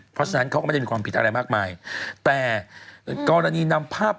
เพราะฉะนั้นเขาก็ไม่ได้มีความผิดอะไรมากมายแต่กรณีนำภาพ